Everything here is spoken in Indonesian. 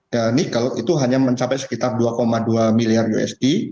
nikel itu hanya mencapai sekitar dua dua miliar usd